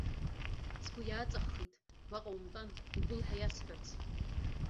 Сгәы иааҵаххит, уаҟа умтәан, угыл ҳәа иасҳәарц.